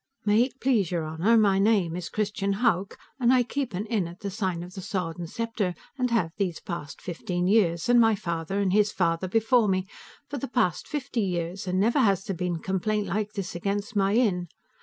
May it please your honor, my name is Christian Hauck, and I keep an inn at the sign of the Sword & Scepter, and have these past fifteen years, and my father, and his father, before me, for the past fifty years, and never has there been a complaint like this against my inn.